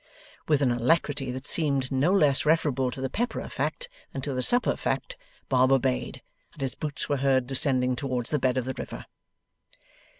With an alacrity that seemed no less referable to the pepperer fact than to the supper fact, Bob obeyed, and his boots were heard descending towards the bed of the river.